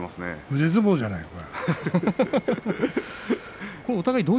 腕相撲じゃないの？